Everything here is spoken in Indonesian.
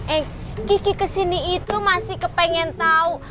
eh kiki kesini itu masih kepengen tahu